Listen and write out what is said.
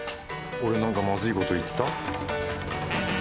俺なんかまずいこと言った？